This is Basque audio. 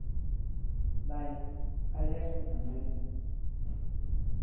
Bai, alde askotan bai.